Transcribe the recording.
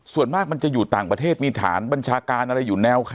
ส่วนมากมันจะอยู่ต่างประเทศมีฐานบัญชาการอะไรอยู่แนว